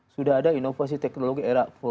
sudah ada inovasi teknologi era empat